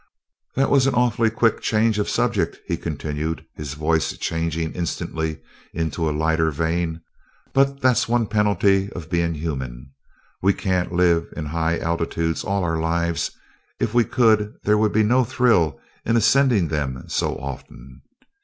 "That was an awfully quick change of subject," he continued, his voice changing instantly into a lighter vein, "but that's one penalty of being human. We can't live in high altitudes all our lives if we could there would be no thrill in ascending them so often.